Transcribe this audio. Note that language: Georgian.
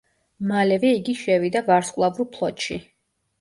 მალევე იგი შევიდა ვარსკვლავურ ფლოტში.